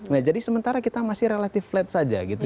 nah jadi sementara kita masih relatif flat saja gitu